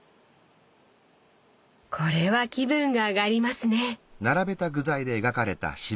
これは気分が上がりますね！